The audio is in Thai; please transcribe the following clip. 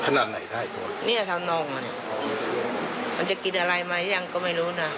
ขนาดไหนได้นี่แถวนองมันมันจะกินอะไรมั้ยยังก็ไม่รู้นะ